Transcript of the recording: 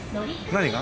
何が？